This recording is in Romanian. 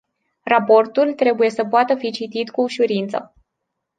Raportul trebuie să poată fi citit cu ușurință.